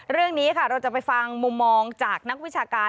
เรื่องนี้ค่ะเราจะไปฟังมุมมองจากนักวิชาการ